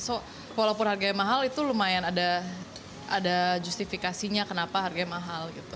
so walaupun harganya mahal itu lumayan ada justifikasinya kenapa harganya mahal gitu